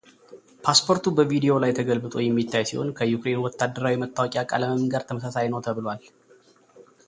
ፓስፖርቱ በቪዲዮው ላይ ተገልብጦ የሚታይ ሲሆን ከዩክሬን ወታደራዊ መታወቂያ ቀለምም ጋር ተመሳሳይ ነው ተብሏል።